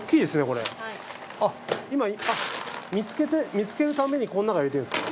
見つけるためにこの中入れてるんですか？